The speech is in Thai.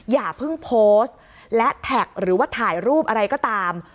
อย่าเพิ่งโพสต์และแท็กหรือว่าถ่ายรูปอะไรก็ตาม